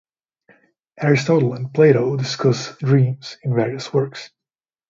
Aristotle and Plato discuss dreams in various works.